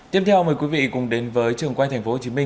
tiếp theo mời quý vị cùng đến với trường quay tp hcm